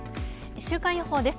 週間予報です。